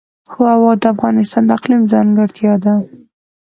هوا د افغانستان د اقلیم ځانګړتیا ده.